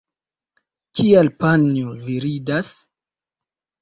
Kial panjo, vi ridas?